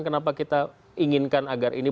kenapa kita inginkan agar ini